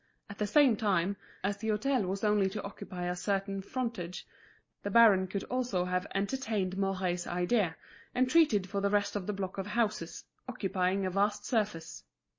At the same time, as the hôtel was only to occupy a certain, frontage, the baron could also have entertained Mouret's idea, and treated for the rest of the block of houses, occupying a vast surface.